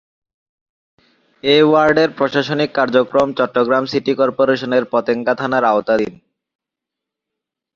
এ ওয়ার্ডের প্রশাসনিক কার্যক্রম চট্টগ্রাম সিটি কর্পোরেশনের পতেঙ্গা থানার আওতাধীন।